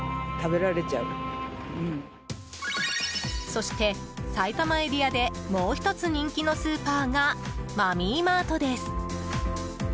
そして、埼玉エリアでもう１つ人気のスーパーがマミーマートです。